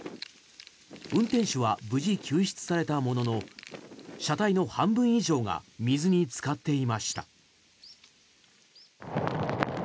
運転手は無事救出されたものの車体の半分以上が水につかっていました。